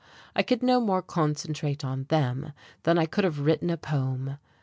I could no more concentrate on them than I could have written a poem.